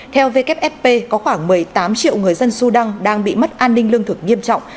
theo wfp có khoảng một mươi tám triệu người dân sudan đang bị mất an ninh lương thực nghiêm trọng